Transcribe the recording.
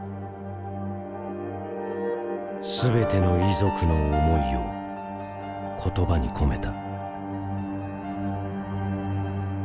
全ての遺族の思いを言葉に込めた。